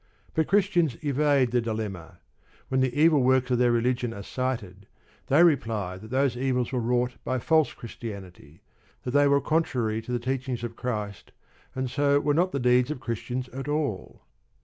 But Christians evade the dilemma. When the evil works of their religion are cited, they reply that those evils were wrought by false Christianity, that they were contrary to the teachings of Christ, and so were not the deeds of Christians at all.